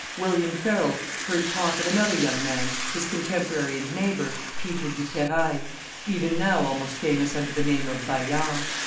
William Farel heard talk of another young man, his contemporary and neighbor, Peter du Terrail, even now almost famous under the name of Bayard.